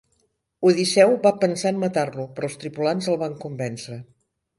Odisseu va pensar en matar-lo però els tripulants el van convèncer.